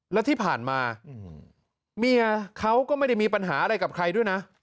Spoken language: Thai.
แล้วที่ผ่านมาเมียเขาก็ไม่ได้มีปัญหาอะไรกับใครด้วยนะ